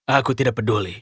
aku tidak peduli